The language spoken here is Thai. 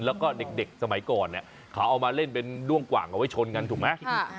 แล้วก็เด็กสมัยก่อนเนี่ยเขาเอามาเล่นเป็นด้วงกว่างเอาไว้ชนกันถูกไหม